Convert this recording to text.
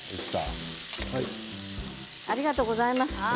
ありがとうございます。